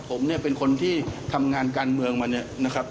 ผมเนี่ยเป็นคนที่ทำงานการเมืองมาเนี่ยนะครับ